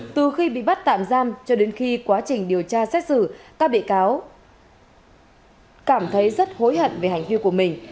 từ khi bị bắt tạm giam cho đến khi quá trình điều tra xét xử các bị cáo cảm thấy rất hối hận về hành vi của mình